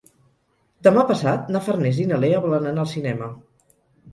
Demà passat na Farners i na Lea volen anar al cinema.